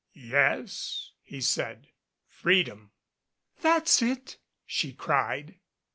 "Yes," he said. "Freedom." "That's it," she cried.